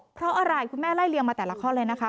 เพราะอะไรคุณแม่ไล่เลียงมาแต่ละข้อเลยนะคะ